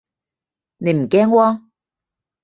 你唔驚喎